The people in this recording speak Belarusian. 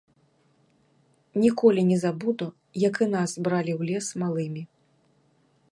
Ніколі не забуду, як і нас бралі ў лес малымі.